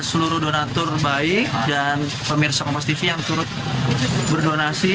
seluruh donatur baik dan pemirsa kompas tv yang turut berdonasi